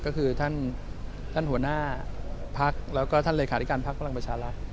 ก็คือท่านหัวหน้าพักแล้วก็ท่านเลขาธิการพักพลังประชารัฐ